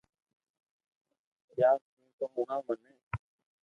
يار تو تو ھڻاو مين